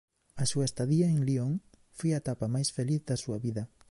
A súa estadía en Lión foi a etapa máis feliz da súa vida.